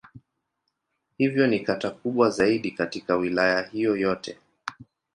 Hivyo ni kata kubwa zaidi katika Wilaya hiyo yote.